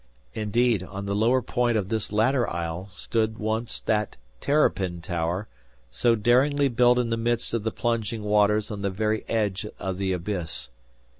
Indeed, on the lower point of this latter isle stood once that "Terrapin Tower" so daringly built in the midst of the plunging waters on the very edge of the abyss.